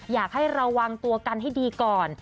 อยากให้ระวังตัวกันให้ดีก่อน